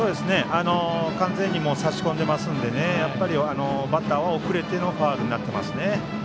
完全に差し込んでいますのでバッターは遅れてのファウルになっています。